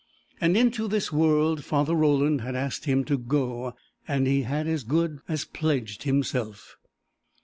And into this world Father Roland had asked him to go, and he had as good as pledged himself!